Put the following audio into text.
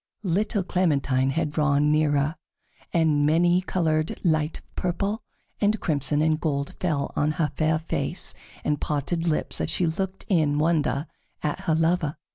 Little Clementine had drawn nearer, and many colored light of purple and crimson and gold fell on her fair face and parted lips as she looked in wonder at her lover.